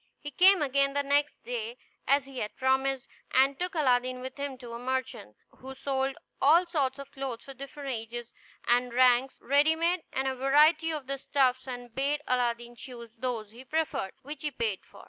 He came again the next day, as he had promised, and took Aladdin with him to a merchant, who sold all sorts of clothes for different ages and ranks ready made, and a variety of fine stuffs, and bade Aladdin choose those he preferred, which he paid for.